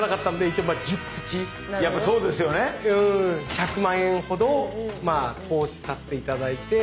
１００万円ほどまあ投資させて頂いて。